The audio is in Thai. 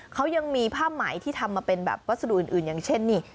เขายังมีผ้าไหมที่ทำมาเป็นแบบวัสดุอื่นอย่างเช่นนี่